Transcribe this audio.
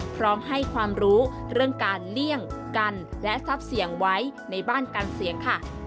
พร้อมให้ความรู้เรื่องการเลี่ยงกันและทรัพย์เสี่ยงไว้ในบ้านกันเสียงค่ะ